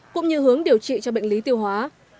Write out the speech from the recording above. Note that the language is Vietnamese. cũng như hướng điều trị cho bệnh lý tiêu hóa